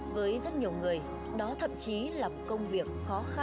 với rất nhiều người đó thậm chí là một công việc khó khăn